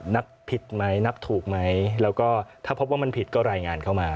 นับผิดไหมนับถูกไหมแล้วก็ถ้าพบว่ามันผิดก็รายงานเข้ามา